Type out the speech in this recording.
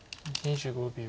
２５秒。